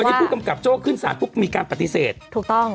อันนี้ผู้กำกับโจ้ขึ้นสารปุ๊บมีการปฏิเสธถูกต้อง